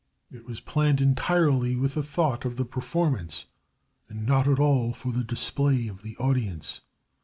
It was planned entirely with the thought of the performance and not at all for the display of the audience.